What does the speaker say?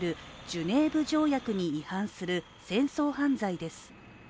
ジュネーブ条約に違反する戦争犯罪です。